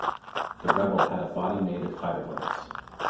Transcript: The Rebel had a body made of fibreglass.